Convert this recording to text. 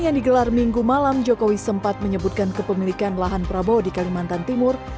yang digelar minggu malam jokowi sempat menyebutkan kepemilikan lahan prabowo di kalimantan timur